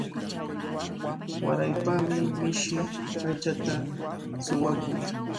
Waraypami mishi aychata suwakun.